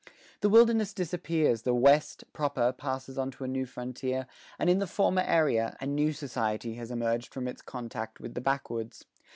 The wilderness disappears, the "West" proper passes on to a new frontier, and in the former area, a new society has emerged from its contact with the backwoods.